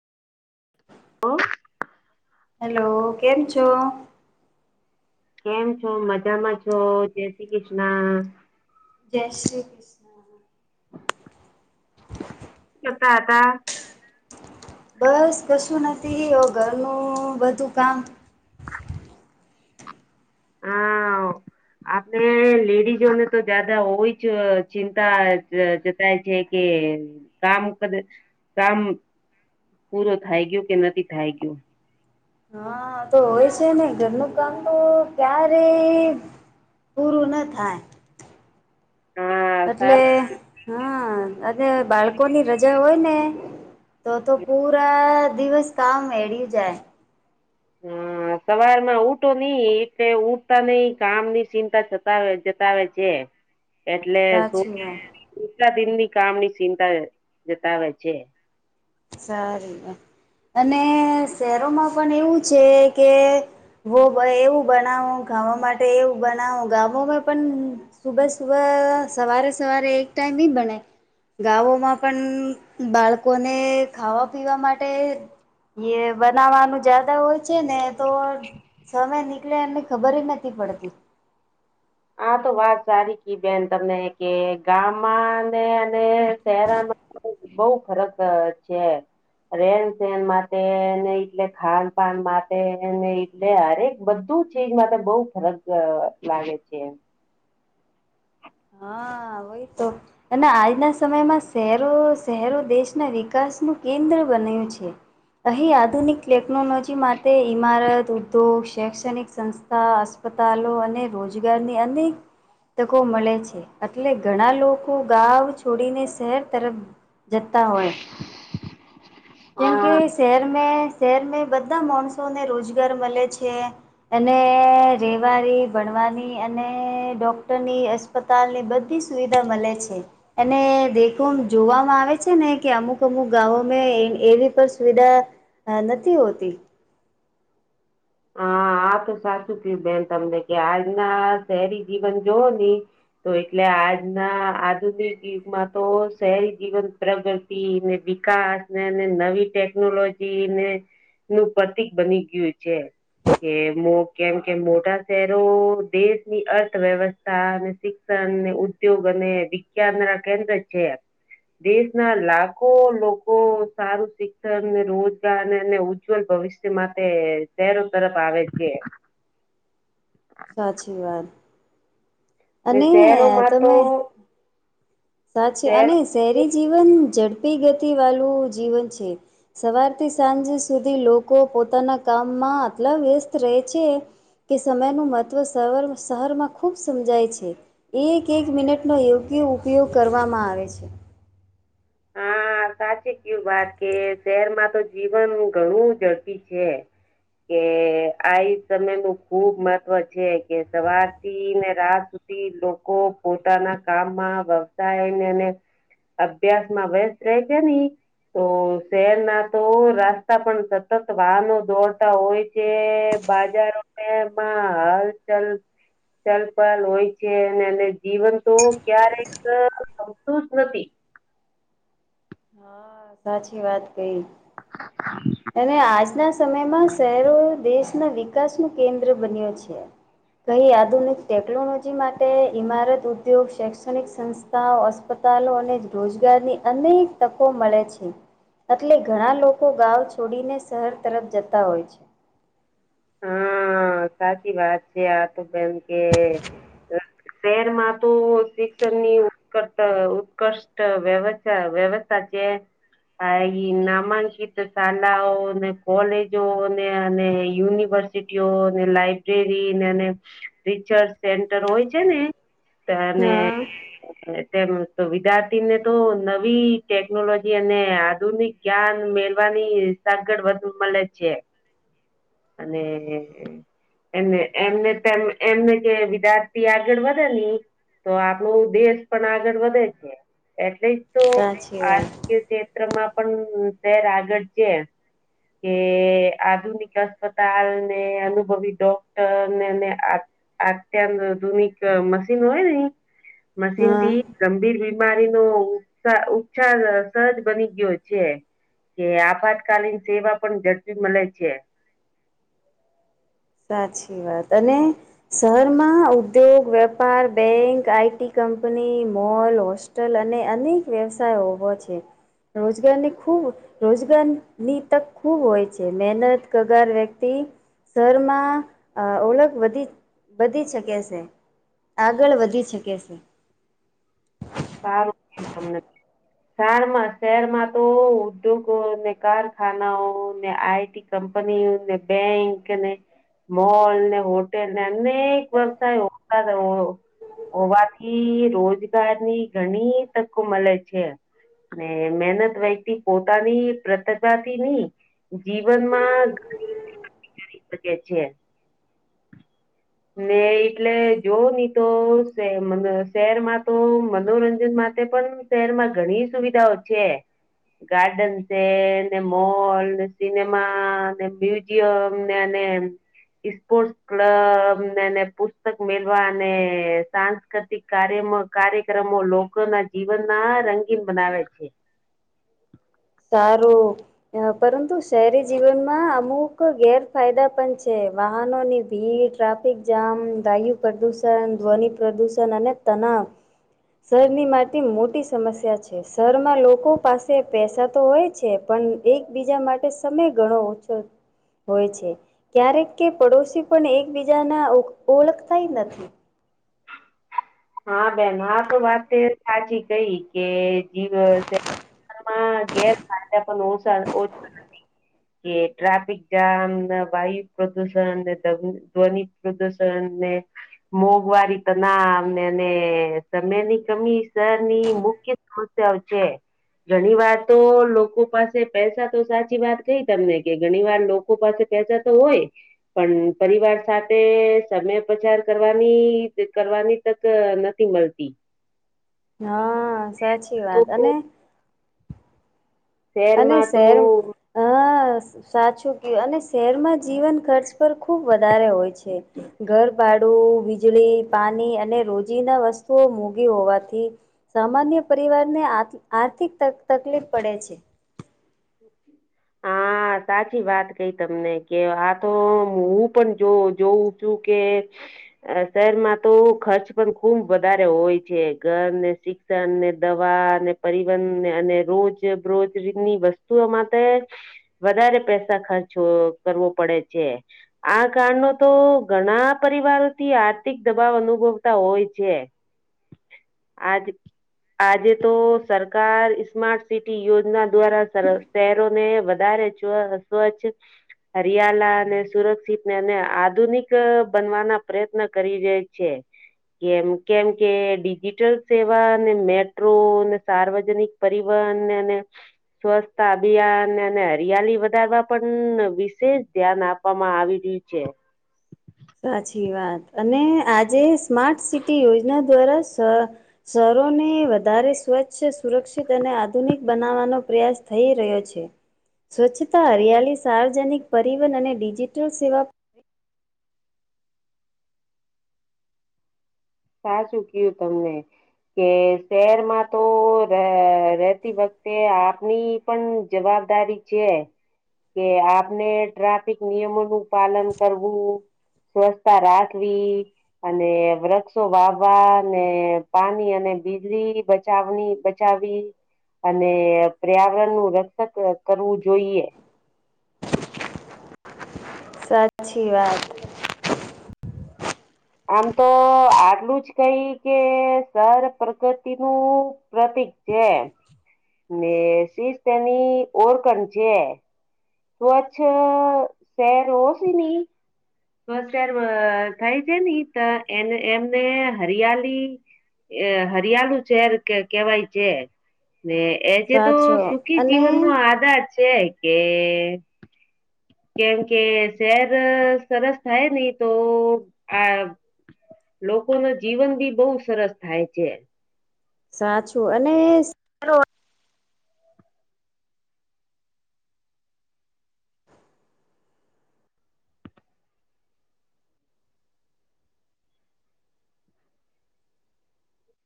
ઓ hello કેમ છો? કેમ છો મજામાં છો જય શ્રી કૃષ્ણ જય શ્રી કૃષ્ણ કેતા હતા બસ કશું નથી ઘરનું બધું કામ હા આપણે લેડીઝોને તો જ્યાદા હો જ ચિંતા જતાય છે કે કામ ક કામ પૂરો થાય ગયયો કે નથી થાય ગયું? હા તો હોય છે ને ઘરનું કામ તો ક્યારે પૂરું ના થાય હા એટલે? સારું હા અને બાળકોની રજા હોય ને તો તો પૂરા દિવસ કામ એળ જાય હમ. સવાર માં ઉઠો નહ એટલે ઉઠતા નહ કામ ની ચિંતાતા જતાવે છે- સાચી વાત એટલેરા દિનની કામ ની ચિંતા જતાવે છે. સારી અને શહેરોમાં પણ એવું છે કે વો એવું બનાવો ગાામવા માટે એવું બનાવો ગામોમાં પણ સુબહ સુબહ સવારે સવારે એક ટાઈમ બનાાય ગામોમાં પણ બાળકોને ખાવા પીવા માટે એ બનાવાનું જદા હોય છે ને તો સમય નીકળે એમને ખબર નથી પડત આા તો વાત સારી ક બેન તમને કે ગામમાં અને શહેરમાં બઉ ફરક છે રેન સેન માટેને એટલે ખાન પાાન માટે એટલે અરે બધું છે એજ મા બહુ ફરક લાગે છે એમ હા હોય તો અને આજના સમયમાં શહેરો શહેરો દેશના વિકાસનુંું કેન્દ્ર બન્યું છે અહી આધુનિક ટેકનોલોજી માટે ઈમારત તો શૈક્ષણિક સંસ્થા અસ્પતાલો અને રોજગારની અનેક તકો મળે છે એટલે ઘણા લોકો ગાવ છોડીને શહેર તરફ જતા હોય કેમ હા કે શહેર મે શહેરમાં બધા માણસોને રોજગાર મળે છે અને રેવારી ભણવાની અને ડોક્ટરની અસ્પતાલની બધી સુવિધા મળે છે અને દેખો જોવામાં આવે છે ને કે અમુક અમુક ગામો એવી પણ સુવિધા હ નથી હોતી હા આ તો સાચું કયું બેન તમને કે આજના શહેરી જીવન જોવ ને તો એટલે આજના આધુનિક જુગમાં તો શહેરી જીવન પ્રગતિ વિકાસ ને નવી ટેકનોલોજી ને નું પ્રતિક બની ગયું છે કે કેમ કે મોટા શહેરો દેશની અર્થવ્યવસ્થા અને શ ઉદ્યોગ અને વિજ્ઞાન ના કેન્દ્ર છે દેશ ના લાખો લોકો સારું શિક્ષણ રોજગારને અને ઉજ્જવલ ભવિષ્ય માટે શહેરો તરફ આવે છે સાચી વાત અને શહેરોમાં તો સાચી શહેર અને શહેરી જીવન ઝડપી ગતિ વાળું જીવન છે સવારથી સાંજ સુધી લોકો પોતાના કામમાં આટલા વ્યસ્ત રહે છે કે સમયનું મહત્ત્વર શહેરમાં ખૂબ સમજાય છે એક એક મિનિટનોો યોગ્ય ઉપયોગ કરવામાં આવે છે હા સાચી કેવી વાત કે શહેરમાં તો જીવન ઘણું ઝડપી છે કે આ સમય નું ખુબ મહત્વ છે કે સવાર થી ને રાત સુધી લોકો પોતાના કામમાં વ્યવસાયને અભ્યાસ માં વ રહે છે ની તો શહેર ના તો રાસ્તા પણ સતત વાહનો દોડતા હોય જે બાજારોમાં હાલચલ ચલપલ હોય છે અને એ જીવન તો ક્યારેક ગમતું જ નથી હા સાચી વાત કઈ અને આજના આ સમયમાં શહેરો દેશના વિકાસનું કેન્દ્ર બન્યો છે કઈ આધુનિક ટેકનોલોજી માટે ઇમારત ઉદ્યોગ શૈક્ષણિક સંા અસ્પતાલો અને રોજગારની અનેક તકો મળે છે એટલે ઘણા લોકો ગાં છોડીને શહેર તરફ જતા હોય છે હા સાચી વાત છે આ તો બેમ કે શહેરમાં તો શિક્ષણની ઉ ઉત્કૃષ વ્યવસ્થ અછા વ્યવસ્થા છે હા ઈ નામાંકિત શાલાાઓ ને કોલેજો ને અને યુન. યુનિવર્સિટીઓ લાઈબ્રેરી રિસર્ચ સેન્ટર હોય છે ને. તને. હા. તેમ તો વિદ્યાર્થીને તો નવી ટેકનોલોજી અને આધુનિક. જ્ઞાન મેલવાની સગડ વધુ મળે છે. અને. એમ એમને એમને કે વિદ્યાર્થી આગળ વધે ની તો આપણો દેશ પણ આગળ વધે છે. એટલે જ તો સાચી વાત ક્ષેત્રમાં પણ શર આગળ છે. કે આધુનિક અસ્પતાલ ને અનુભવી ડોક્ટર ને અત્યંત આધુનિક મશીન હોયઈ મશીન હા. થી ગંભીર બીમારીનોો ઉપ ઉપચાર સહજ બની ગયો છે. કે આપાત કલીન સેવા પણ ઝડપી મળે છે. સાચી વાત અને શહેરમાં ઉદ્યોગ વેપાર bank IT company mall hostel અનેક વ્યવસાય ઉભો છે. રોજગારની ખૂબ. રોજગારની તક ખૂબ હોય છે. મહેનત કગાર વ્યક્તિ શ માં ઓળખ વધી વધી શકે છે. આગળ વધી શકે છે. હ. હમને શમાં શહેરમાં તો ઉદ્યોગો ને કારખાનાઓ ને આઈટી. કંપની ને બેંક અને. મોલ ને હોટેલ ને અનેક વ્યવસાય હોતા હતા. હોવાથી રોજગારની ઘણી તકો મળે છે ને મહેહનત વ્યહેતિ પોતાની. પ્રતભાથી નહ જીવનમાં કે છે. ને એટલે જોવ નહી, તો શહેરમાં તો મનોરંજન માટે પણ શહેરમાં ઘણી સુવિધાઓ છે. ગાર્ડન છે. મોલ ને સિનેમા. મને પોર્ટ ક્લબને પુસ્તક મેલવા અને સા સાતિક કાર્ય કાર્યક્રમો લોકો ના જીવન ના રંગીન બનાવે છે. સારું. પરંતુ શહેરી જીવનમાં અમુક ગેરફાયદા પણ છે, વાહનો ની ભીડ ટ્રાફિક જામ વાયુ પ્રદૂષણ ધ્વનિ પ્રદુષણ અને તનાવ. શહેરની માટેટી મોટી સમસ્યા છે. શરમાં લોકો પાસે પૈસા. તો હોય છે. પણ એકબીજા માટે સમય ગણો ઓછો હોય છે ક્યારેક કે પડોશી પણ એકબીજાના ઓળખતા નથી હા, બેન આ તો વાત સાચી કઈ કે જી. માં ઘેરાયદા પણ ઓછછ. કે ટ્રાફિક જામ વાયુ પ્રદુષણ ધ્વન પ્રદુષણ ને. મોંઘવાળરી તો ના. અને એને સમયની કમી શર ની મુખ્ય સમસ્યાઓ છે. ઘણી વાર તો લોકો પાસે પૈસા તો સાચી વાત કઈ તમને કે ઘણી વાર. લોકો પાસે પૈસા તો હોય. પણ પરિવાર સાથે સમય પચાર કરવાની કરવાની તક નથી મળતી. હા, સાચી તો વાત અને. અને શહેરમાં તો શહેર હા સાચું કહ્યુ અને શહેરમાં જીવન ખર્ચ પર ખુબ વધારે હોય છે. ઘરભાડું વીજળી પાણી અને રોજી ના વસ્તુઓ મોંધી હોવાથી સામાન્ય પરિવારને આર્થિક તકલીફ પડે છે. હા હા સાચી વાત કઈ તમને કે આ તો હું પણ જો જોઉં છુ. કે અ શહેરમાં તો ખર્ચ પણ ખુબ વધારે હોય છે ઘરને ને દવા અને પરિવહનને અને રોજબરોજની વસ્તુ. વસ્તુઓ માટે, વધારે પૈસા ખર્ચ કરવો પડે છે. આ કારણે તો ઘણા પરિવારો થી આર્થિક દબાવ અનુભવતા હોય છે. આજ આજે તો સરકાર સ્માર્ટ સિટી યોજના દ્વારા શહેરો ને વધારે સ્વચ્છ હરિયાળ અને સુરક્ષિત ને અને આધુનિક બનવાના પ્રયત્ન કરી રહે છે. કેમ કેમ કે ડિજિટલ સેવા અને મેટ્રો ને સાર્વજનિક પરીવહન અને સ્વચ્છતા અભિયાન અને હરિયાલી વધારવા પણ વિશેષ ધ્યાન આપ આપવામાં આવી રહી છે. સાચી વાત અને આજે સ્માર્ટ સિટી યોજના દ્વારા સર શહેરોને વધારે સ્વચ્છ સુરક્ષિત અને આધુનિક બનાવવાનો પ્રયાસ થઈ રહ્યો છે. સ્વચ્છતા હરિયાળી સાર્વજનિક પરિવહન અને ડિજિટલ સેવા સાચુ કયો તમને. કે શહેરમાં તો રહેતી વખતે આપની પણ જવાબદારી છે. કે આપને ટ્રાફિક નિયમો નું પાલન કરવું. સ્વચ્છતા રાખવી, અને વૃક્ષ વાવા ને પાણી અને વીજળી બચાવવી. અને પર્યાવરણનું રક્ષક કરવું જોઈએ. સાચી વાત. આમ તો આટલું જ કઈ કે સરસ પ્રગતિ નું પ્રતીક છે, ને શીષ તેની ઓળખણ છે. તો અચ્છા શહેર હોકે નહી. સાર થાય છે ની તો એ એમને હરિયાલી એ હરિયાળુ શહેર કહેવાય છે. ને એ જે તો સાચો સુખી અને જીવનનો આધાર છે કે કેમ કે શહેર સરસ થાય નહી તો આ લોકો ના જીવન બી બહુ સરસ થાય છે. સાચું અને સ